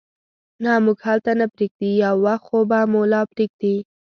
نه، موږ هلته نه پرېږدي، یو وخت خو به مو لا پرېږدي.